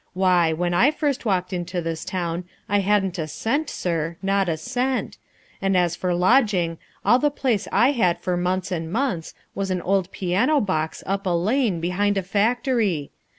Why, when I first walked into this town I hadn't a cent, sir, not a cent, and as for lodging, all the place I had for months and months was an old piano box up a lane, behind a factory.